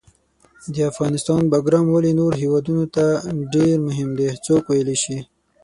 د افغانستان باګرام ولې نورو هیوادونو ته ډېر مهم ده، څوک ویلای شي؟